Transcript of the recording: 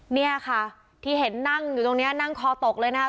เนี่ยค่ะที่เห็นนั่งอยู่ตรงนี้นั่งคอตกเลยนะครับ